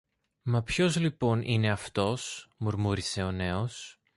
Μα ποιος λοιπόν είναι αυτός; μουρμούρισε ο νέος.